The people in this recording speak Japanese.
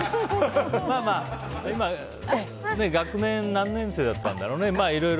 今の学年、何年生だったんだろうね。